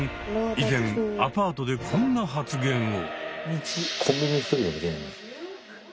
以前アパートでこんな発言を。